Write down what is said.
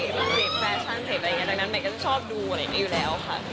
เซฟอะไรอย่างนั้นไหมก็ชอบดูอะไรอยู่แล้วค่ะ